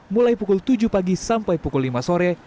mulai pukul tujuh pagi sampai pukul lima sore